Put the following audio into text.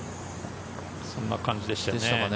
そんな感じでしたね。